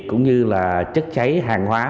cũng như là chất cháy hàng hóa